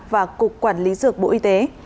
và cục quản lý dược bộ y tế